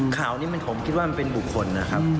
ข่าวนี้ผมคิดว่ามันเป็นบุคคลนะครับ